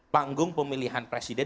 panggung pemilihan presiden